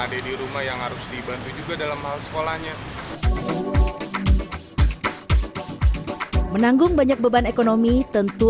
adik di rumah yang harus dibantu juga dalam hal sekolahnya menanggung banyak beban ekonomi tentu